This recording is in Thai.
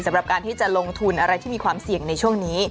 สำหรับการที่จะลงทุนอะไรที่มีความเสี่ยงในช่วงนี้